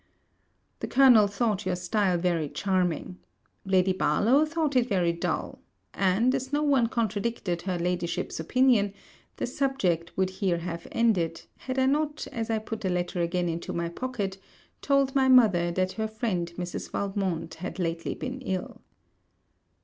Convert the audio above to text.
The Colonel thought your stile very charming. Lady Barlowe thought it very dull; and, as no one contradicted her ladyship's opinion, the subject would here have ended, had I not as I put the letter again into my pocket, told my mother that her friend Mrs. Valmont had lately been ill.